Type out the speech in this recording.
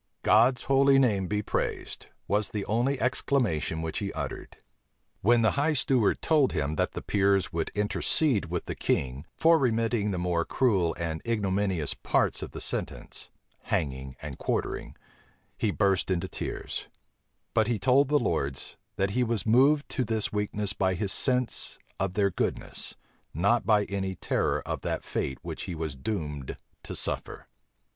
"God's holy name be praised," was the only exclamation which he uttered. When the high steward told him, that the peers would intercede with the king for remitting the more cruel and ignominious parts of the sentence, hanging and quartering, he burst into tears; but he told the lords, that he was moved to this weakness by his sense of their goodness, not by any terror of that fate which he was doomed to suffer.